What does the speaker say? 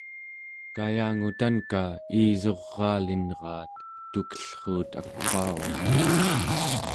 kayangutanka iisuraalinraat tukellruut akwaugaq